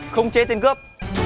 không chế tên cướp